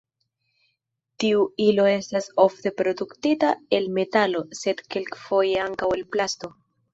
Tiu ilo estas ofte produktita el metalo, sed kelkfoje ankaŭ el plasto.